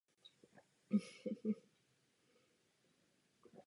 Ty se zde utkaly opět dvoukolově.